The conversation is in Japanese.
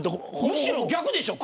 むしろ逆でしょ。